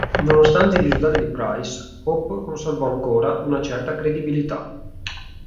Nonostante i risultati di Price, Hope conservò ancora una certa credibilità.